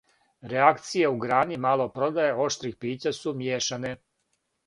Реакције у грани малопродаје оштрих пића су мијешане.